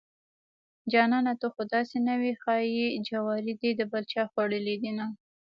جانانه ته خوداسې نه وې ښايي جواري دې دبل چاخوړلي دينه